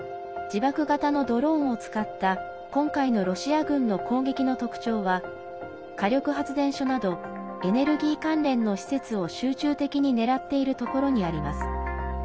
自爆型のドローンを使った今回のロシア軍の攻撃の特徴は火力発電所などエネルギー関連の施設を集中的に狙っているところにあります。